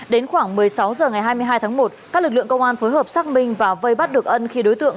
đến khoảng một mươi sáu h ngày hai mươi hai tháng một các lực lượng công an phối hợp xác minh và vây bắt được ân khi đối tượng